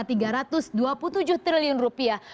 dan mengakuisisi linkedin